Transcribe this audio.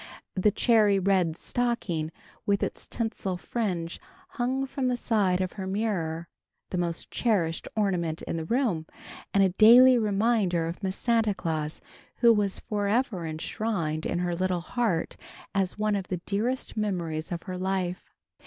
The cherry red stocking with its tinsel fringe hung from the side of her mirror, the most cherished ornament in the room, and a daily reminder of Miss Santa Claus, who was forever enshrined in her little heart as one of the dearest memories of her life.